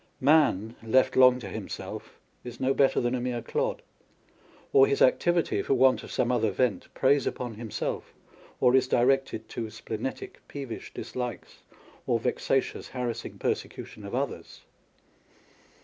Man, left long to himself, is no better than a mere clod ; or his activity, for want of some other vent, preys upon himself, or is directed to splenetic, peevish dislikes, or vexatious, harassing persecution of others.